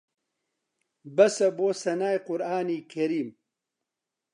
بەسە بۆ سەنای قورئانی کەریم